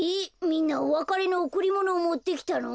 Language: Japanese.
みんなおわかれのおくりものをもってきたの？